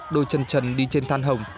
đôi chân trần đi trên than hồng